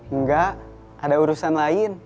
enggak ada urusan lain